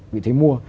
vị thế mua